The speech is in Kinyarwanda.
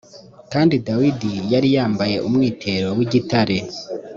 kandi dawidi yari yambaye umwitero w’igitare